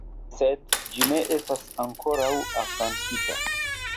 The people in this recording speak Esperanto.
Sed ĝi ne estas ankoraŭ afrankita.